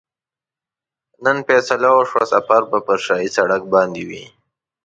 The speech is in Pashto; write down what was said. نن فیصله وشوه سفر به پر شاهي سړک باندې وي.